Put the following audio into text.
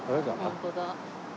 本当だ。